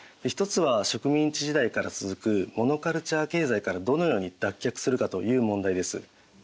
一つは植民地時代から続くモノカルチャー経済からどのように脱却するかという問題です。